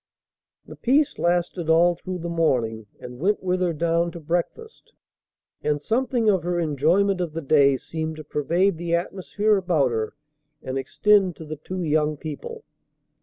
The peace lasted all through the morning, and went with her down to breakfast; and something of her enjoyment of the day seemed to pervade the atmosphere about her and extend to the two young people.